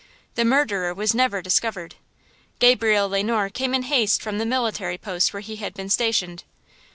The murderer was never discovered. Gabriel Le Noir came in haste from the military post where he had been stationed.